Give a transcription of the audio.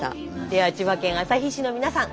では千葉県旭市の皆さん